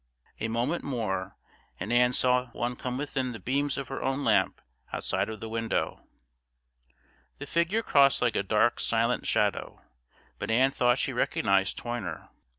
A moment more, and Ann saw some one come within the beams of her own lamp outside of the window; the figure crossed like a dark, silent shadow, but Ann thought she recognised Toyner.